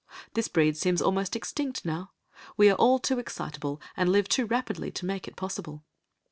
This breed seems almost extinct now, we are all too excitable, and live too rapidly to make it possible.